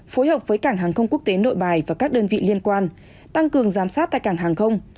phối hợp với cảng hàng không quốc tế nội bài và các đơn vị liên quan tăng cường giám sát tại cảng hàng không